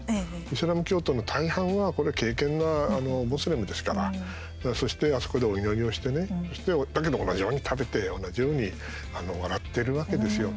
イスラム教徒の大半がこれ、敬けんなムスリムですからあそこでお祈りをしてねそして、だけど同じように食べて同じように笑ってるわけですよ。